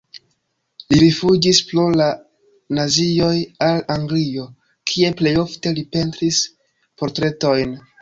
Li rifuĝis pro la nazioj al Anglio, kie plej ofte li pentris portretojn.